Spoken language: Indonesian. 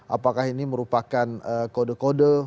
apakah ini merupakan kode kode